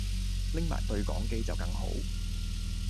拎埋對講機就更好